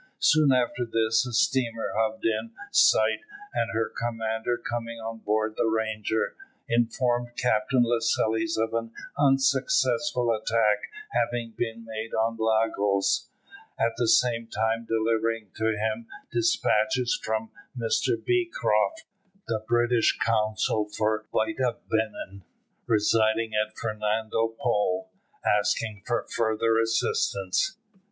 Soon after this a steamer hove in sight, and her commander, coming on board the Ranger, informed Captain Lascelles of an unsuccessful attack having been made on Lagos; at the same time delivering to him despatches from Mr Beecroft, the British Consul for the Bight of Benin, residing at Fernando Po, asking for further assistance.